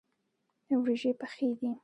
وریژې پخې دي.